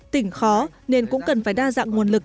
tỉnh khó nên cũng cần phải đa dạng nguồn lực